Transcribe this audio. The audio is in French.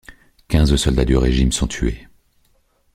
Quinze soldats du régime sont tués.